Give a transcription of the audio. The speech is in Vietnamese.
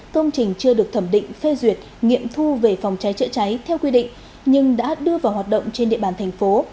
công trình chưa được thẩm định phê duyệt nghiệm thu về phòng trái trợ trái theo quy định nhưng đã đưa vào hoạt động trên địa bàn thành phố